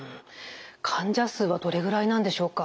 患者数はどれぐらいなんでしょうか？